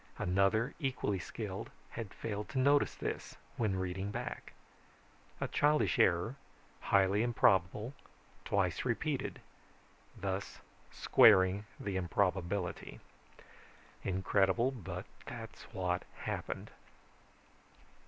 Another equally skilled had failed to notice this when reading back. A childish error, highly improbable; twice repeated, thus squaring the improbability. Incredible, but that's what happened.